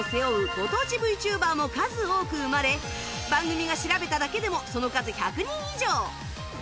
ご当地 ＶＴｕｂｅｒ も数多く生まれ番組が調べただけでもその数１００人以上！